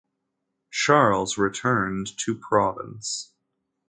Charles returned to Provence.